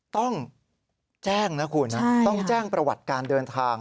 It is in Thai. ต้องแจ้งนะคุณต้องแจ้งประวัติการเดินทาง